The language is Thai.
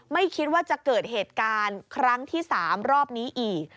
ไม่คิดว่าจะเกิดเหตุการณ์ครั้งที่๓รอบนี้อีก